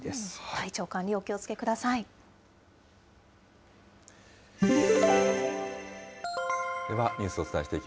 体調管理、お気をつけください。